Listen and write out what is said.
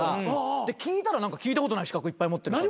で聞いたら何か聞いたことない資格いっぱい持ってるから。